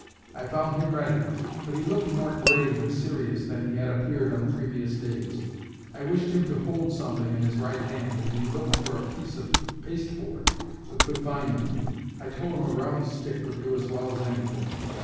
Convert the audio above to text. I found him ready, but he looked more grave and serious than he had appeared on the previous days. I wished him to hold something in his right hand, and he looked for a piece of pasteboard, but could find none. I told him a round stick would do as well as anything.